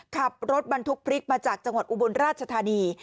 ขับรถบรรทุกพริกมาจากจังหวัดอุบลราชธานี